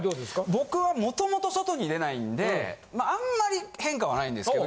僕は元々外に出ないんであんまり変化はないんですけど。